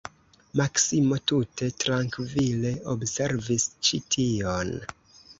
Maksimo tute trankvile observis ĉi tion.